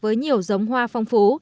với nhiều giống hoa phong phú